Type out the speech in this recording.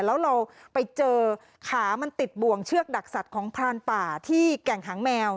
แล้วเราไปเจอขามันติดบ่วงเชือกดักสัตว์ของพรานป่าที่แก่งหางแมว